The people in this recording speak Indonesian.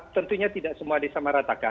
tentunya tidak semua disamaratakan